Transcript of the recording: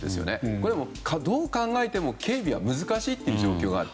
これはどう考えても警備は難しいという状況がある。